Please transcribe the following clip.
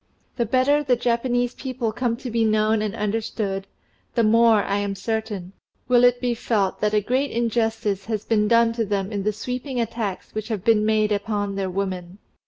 The better the Japanese people come to be known and understood, the more, I am certain, will it be felt that a great injustice has been done them in the sweeping attacks which have been made upon their women.